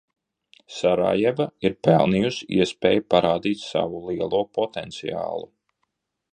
Sarajeva ir pelnījusi iespēju parādīt savu lielo potenciālu.